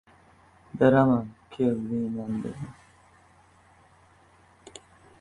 — Berman kel, deyman! — dedim.